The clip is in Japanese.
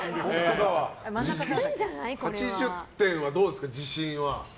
８０点はどうですか、自信は。